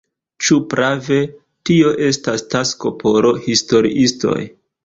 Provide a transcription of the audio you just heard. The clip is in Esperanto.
Ĉu prave, tio estas tasko por historiistoj.